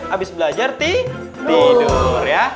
abis belajar tidur ya